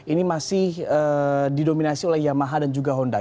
ini masih didominasi oleh yamaha dan juga hondai